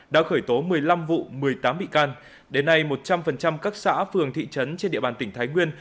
đã khởi tố một mươi năm vụ một mươi tám bị can đến nay một trăm linh các xã phường thị trấn trên địa bàn tỉnh thái nguyên